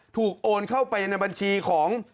โอนเข้าไปในบัญชีของ